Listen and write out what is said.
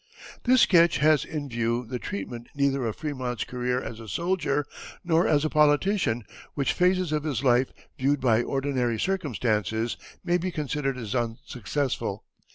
This sketch has in view the treatment neither of Frémont's career as a soldier nor as a politician, which phases of his life, viewed by ordinary circumstances, may be considered as unsuccessful.